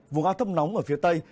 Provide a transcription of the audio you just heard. vùng áp thấp nóng ở phía tây